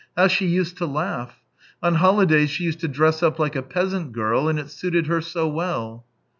How she used to laugh ! On holidays she used to dress up like a peasant girl, and it suited her so well."